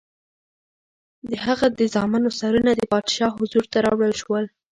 د هغه د زامنو سرونه د پادشاه حضور ته راوړل شول.